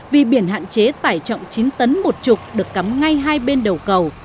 vì biển hạn chế tải trọng chín tấn một chục được cắm ngay hai bên đầu cầu